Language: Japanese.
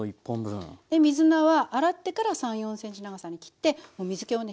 水菜は洗ってから３４ｃｍ長さに切って水けをね